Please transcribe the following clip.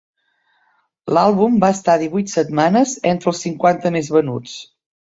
L'àlbum va estar divuit setmanes entre els cinquanta més venuts.